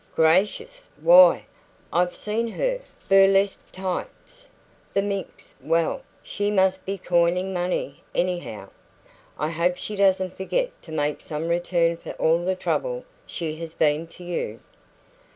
"Gracious! Why, I've seen her! Burlesque. Tights. The minx! Well, she must be coining money, anyhow. I hope she doesn't forget to make some return for all the trouble she has been to you."